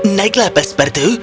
naiklah pastor patu